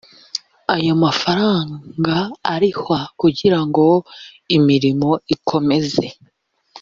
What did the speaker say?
ayo mafaranga arihwa kugira ngo imirimo ikomeze